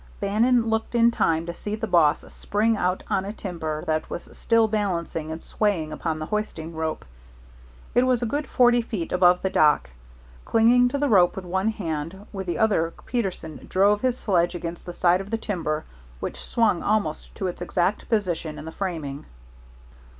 Bannon looked in time to see the boss spring out on a timber that was still balancing and swaying upon the hoisting rope. It was a good forty feet above the dock. Clinging to the rope with one hand, with the other Peterson drove his sledge against the side of the timber which swung almost to its exact position in the framing.